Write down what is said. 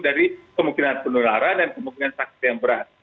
dari kemungkinan penularan dan kemungkinan sakit yang berat